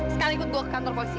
sekarang ikut gue ke kantor posisi